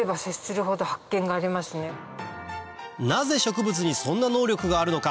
なぜ植物にそんな能力があるのか？